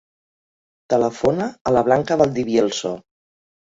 Telefona a la Blanca Valdivielso.